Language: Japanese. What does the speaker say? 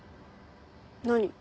何？